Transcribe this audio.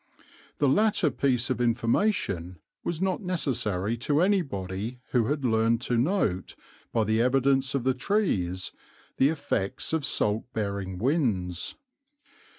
The latter piece of information was not necessary to anybody who had learned to note, by the evidence of the trees, the effects of salt bearing winds.